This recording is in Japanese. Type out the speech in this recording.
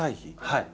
はい。